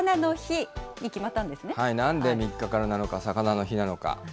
はい、なんで３日から７日、さかなの日なのか。